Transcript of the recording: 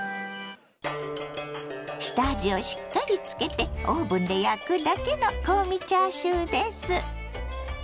下味をしっかりつけてオーブンで焼くだけの香味チャーシューです。